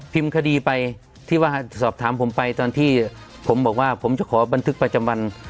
คดีไปที่ว่าสอบถามผมไปตอนที่ผมบอกว่าผมจะขอบันทึกประจำวัน